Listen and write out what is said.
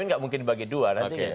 enggak mungkin dibagi dua